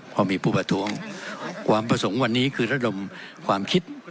พอมีผู้ประท้วงความประสงค์วันนี้คือระดมความคิด